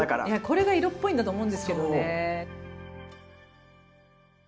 これが色っぽいんだと思うんですけどね。